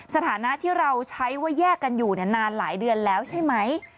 สถานะที่เราใช้ว่าแยกกันอยู่นานหลายเดือนแล้วใช่ไหม